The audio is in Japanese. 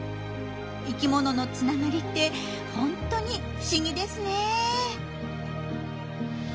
生きもののつながりってホントに不思議ですね。